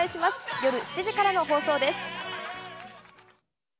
夜７時からの放送です。